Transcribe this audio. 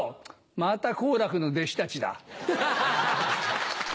また好楽の弟子たちだ。